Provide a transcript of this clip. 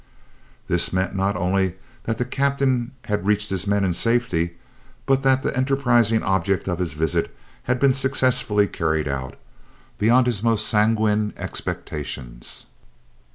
This meant not only that the Captain had reached his men in safety, but that the enterprising object of his visit had been successfully carried out, beyond his most sanguine expectations.